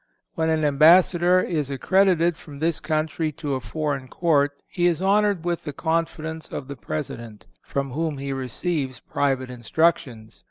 When an ambassador is accredited from this country to a foreign court, he is honored with the confidence of the President, from whom he receives private instructions.